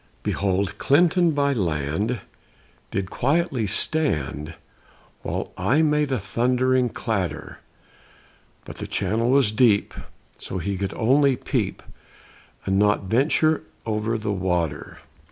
Behold, Clinton, by land, Did quietly stand, While I made a thundering clatter; But the channel was deep, So he only could peep, And not venture over the water.